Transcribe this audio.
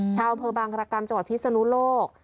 ชาวเผอร์บางรกรรกรรมจังหวัดพิศนุโลก